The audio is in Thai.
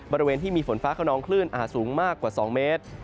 บริเวณที่มีฝนฟ้าขนองคลื่นอาจสูงมากกว่า๒เมตร